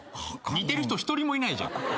似てる人１人もいないじゃん。